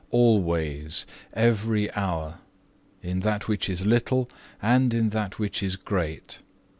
3. "Always; every hour: in that which is little, and in that which is great.